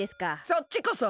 そっちこそ。